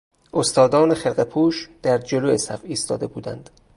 استادان خرقه پوش در جلو صف ایستاده بودند.